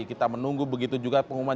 kita menunggu begitu juga pengumuman